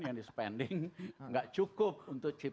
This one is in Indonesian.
tapic polsk tetapi tuen manga yang diangkat